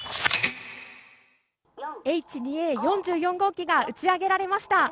Ｈ２Ａ４４号機が打ち上げられました。